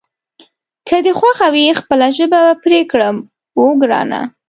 که دې خوښه وي خپله ژبه به پرې کړم، اوه ګرانه.